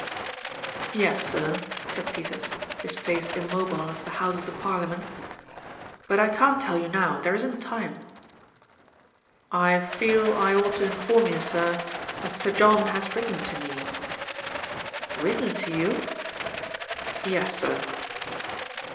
"Yes, sir," said Peters, his face immobile as the Houses of Parliament. "But I can't tell you now, there isn't time." "I feel I ought to inform you, sir, that Sir John has written to me." "Written to you !" "Yes, sir."